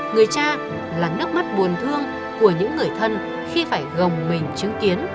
người cha là nước mắt buồn thương của những người thân khi phải gồng mình chứng kiến